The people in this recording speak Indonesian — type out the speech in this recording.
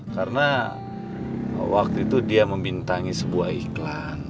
karena waktu itu dia memintangi sebuah iklan